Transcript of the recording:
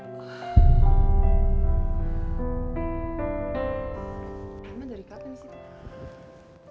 mama dari kapan sih